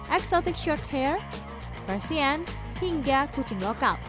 exotic shorthair persian hingga kucing lokal